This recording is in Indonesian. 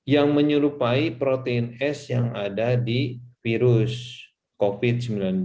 yang menyerupai protein s yang ada di virus covid sembilan belas